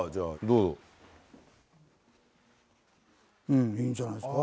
うんいいんじゃないですか。